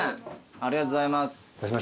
ありがとうございます。